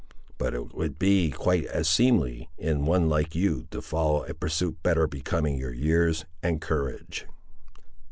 But it would be quite as seemly, in one like you, to follow a pursuit better becoming your years and courage."